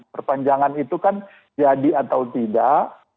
perpanjangan itu kan jadi atau tidak